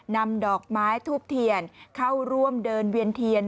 นำดอกไม้ทูบเทียนเข้าร่วมเดินเวียนเทียน